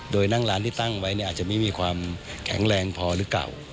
โดยนั่งร้านที่ตั้งไว้เนี่ยอาจจะไม่มีความแข็งแรงพอหรือเก่า